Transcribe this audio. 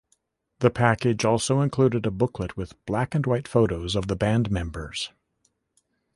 The package also included a booklet with black-and-white photos of the band members.